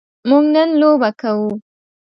موږ نن لوبه کوو.